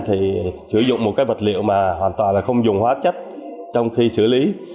thì sử dụng một cái vật liệu mà hoàn toàn là không dùng hóa chất trong khi xử lý